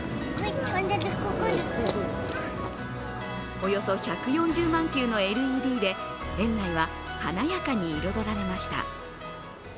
およそ１４０万球のＬＥＤで園内は華やかに彩られました。